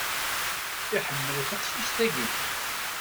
Iḥemmel taqcict-agi.